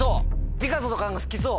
ピカソとか何か好きそう。